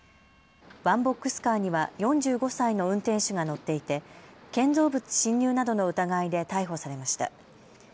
ワンボックスカーには４５歳の運転手が乗っていて建造物侵入などの疑いで逮捕されました。